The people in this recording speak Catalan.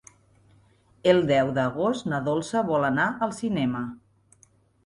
El deu d'agost na Dolça vol anar al cinema.